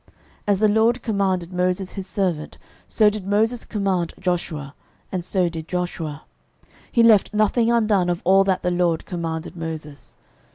06:011:015 As the LORD commanded Moses his servant, so did Moses command Joshua, and so did Joshua; he left nothing undone of all that the LORD commanded Moses.